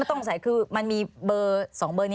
ว่ากุนหนู๘ปอม